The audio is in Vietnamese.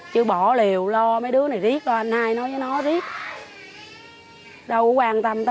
chứ bỏ liều lo mấy đứa này riết anh hai nói với nó riết